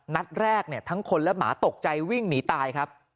นัดแรกเนี่ยทั้งคนและหมาตกใจวิ่งหนีตายครับ